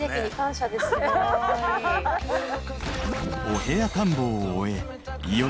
［お部屋探訪を終え